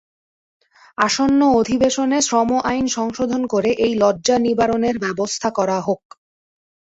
আসন্ন অধিবেশনে শ্রম আইন সংশোধন করে এই লজ্জা নিবারণের ব্যবস্থা করা হোক।